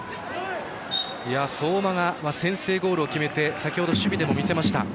相馬が先制ゴールを決めて先ほど守備でも見せました。